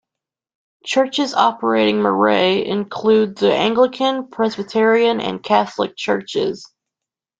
Churches operating marae include the Anglican, Presbyterian, and Catholic churches.